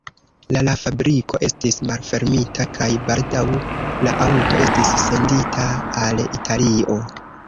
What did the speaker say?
La la fabriko estis malfermita kaj baldaŭ la aŭto estis sendita al Italio.